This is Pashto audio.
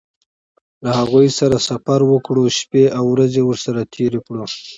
له هغوی سره سفر وکړه شپې او ورځې ورسره تېرې کړه.